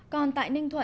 còn tại ninh thuận